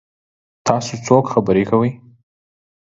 تاسو څوک خبرې کوي؟